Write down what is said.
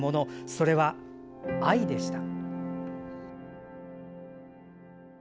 それは愛でした。